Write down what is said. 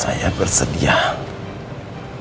saya bersedia untuk membantu anda